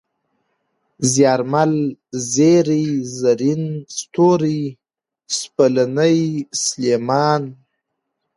زيارمل ، زېرى ، زرين ، ستوری ، سپېلنی ، سلېمان